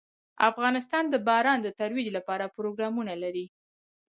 افغانستان د باران د ترویج لپاره پروګرامونه لري.